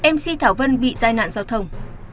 mc thảo vân bị tai nạn giao thông